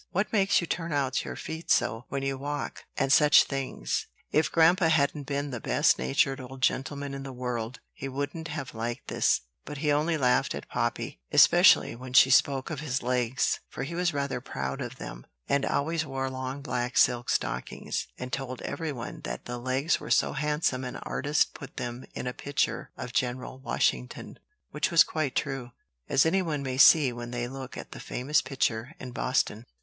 "What makes you turn out your feet so, when you walk?" and such things. If grandpa hadn't been the best natured old gentleman in the world, he wouldn't have liked this: but he only laughed at Poppy, especially when she spoke of his legs; for he was rather proud of them, and always wore long black silk stockings, and told every one that the legs were so handsome an artist put them in a picture of General Washington; which was quite true, as any one may see when they look at the famous picture in Boston.